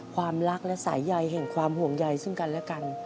ความรักและสายใยแห่งความห่วงใยซึ่งกันและกัน